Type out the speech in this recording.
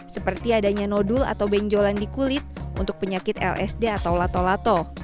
seperti adanya nodul atau benjolan di kulit untuk penyakit lsd atau lato lato